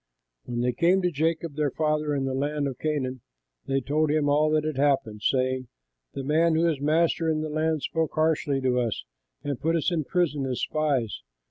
When they came to Jacob their father in the land of Canaan, they told him all that had happened, saying, "The man who is master in that land spoke harshly to us and put us in prison as spies.